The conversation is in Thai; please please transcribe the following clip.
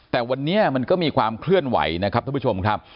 แต่วันนี้มันก็มีความเคลื่อนไหวนะครับท่านผู้ชมครับ